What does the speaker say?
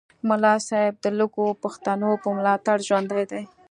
ملا صاحب د لږو پښتنو په ملاتړ ژوندی دی